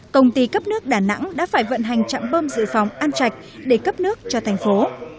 công ty cấp nước đà nẵng đã phải vận hành trạm bơm dự phòng an trạch để cấp nước cho thành phố